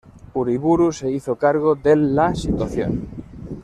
Uriburu se hizo cargo del la situación.